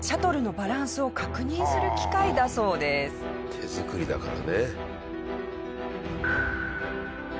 手作りだからね。